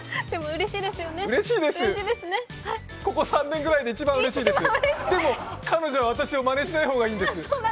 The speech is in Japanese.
うれしいです、ここ３年ぐらいで一番うれしいですでも、彼女は私をまねしない方がいいんです。